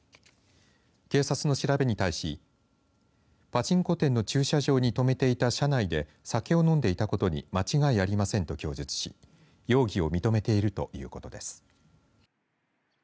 警察の調べに対しパチンコ店の駐車場に止めていた車内で酒を飲んでいたことに間違いありませんと供述し容疑を認めているということです。